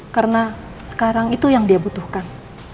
karena sekarang itu yang dia butuhkan